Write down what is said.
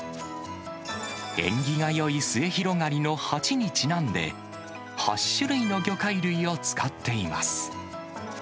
縁起がよい末広がりの八にちなんで、８種類の魚介類を使っています。